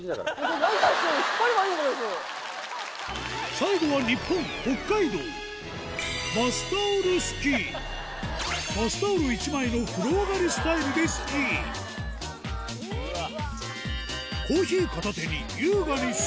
最後は北海道バスタオル１枚の風呂上がりスタイルでスキーうわっ！